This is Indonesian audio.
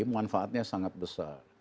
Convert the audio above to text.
manfaatnya sangat besar